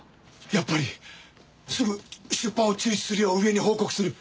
やっぱりすぐ出版を中止するよう上に報告する。